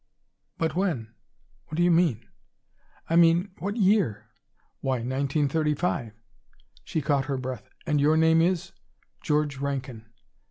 "But when?" "What do you mean?" "I mean, what year?" "Why, 1935!" She caught her breath. "And your name is " "George Rankin."